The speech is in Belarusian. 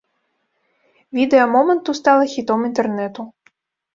Відэа моманту стала хітом інтэрнэту.